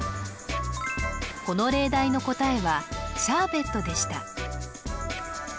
この例題の答えは「シャーベット」でした